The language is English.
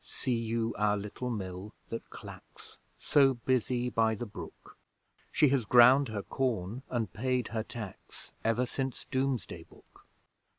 See you our little mill that clacks, So busy by the brook? She has ground her corn and paid her tax Ever since Domesday Book.